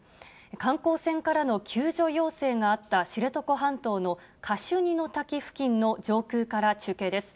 観光船からの救助要請があった知床半島のカシュニの滝付近の上空から中継です。